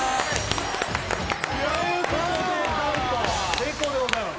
成功でございます